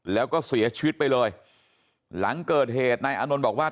แล้วก็เสียชีวิตไปเลยหลังเกิดเหตุนายอานนท์บอกว่า